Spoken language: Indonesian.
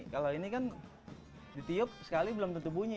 kalau ini kan ditiup sekali belum tentu bunyi